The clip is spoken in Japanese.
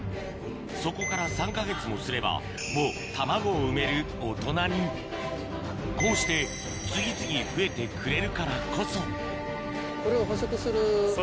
そこから３か月もすればもう卵を産める大人にこうして次々増えてくれるからこそ増えます